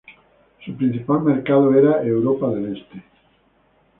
Su principal mercado era Europa del Este.